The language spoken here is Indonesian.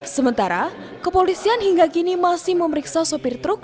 sementara kepolisian hingga kini masih memeriksa sopir truk